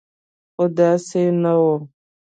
خو داسې نه و.